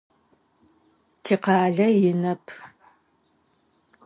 Тикъалэ инэп.